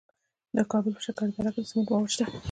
د کابل په شکردره کې د سمنټو مواد شته.